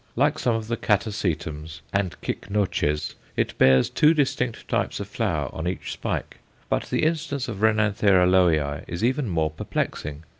Like some of the Catasetums and Cycnoches, it bears two distinct types of flower on each spike, but the instance of R. Lowii is even more perplexing.